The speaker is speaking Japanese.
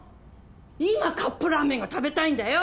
今カップラーメンが食べたいんだよ！